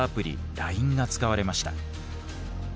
ＬＩＮＥが使われました。